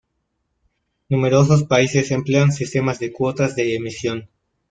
Numerosos países emplean sistemas de cuotas de emisión.